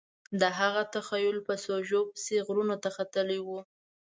د هغه تخیل په سوژو پسې غرونو ته ختلی و